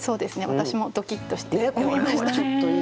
私もドキッとして読みました。